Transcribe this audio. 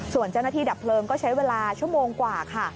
ส่วนเจ้าหน้าที่ดับเพลิงก็ใช้เวลาชั่วโมงกว่าค่ะ